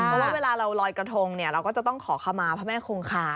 เพราะว่าเวลาเราลอยกระทงเนี่ยเราก็จะต้องขอขมาพระแม่คงคา